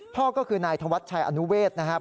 พ่อก็คือนายธวัชชัยอนุเวศนะครับ